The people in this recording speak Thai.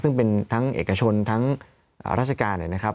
ซึ่งเป็นทั้งเอกชนทั้งราชการ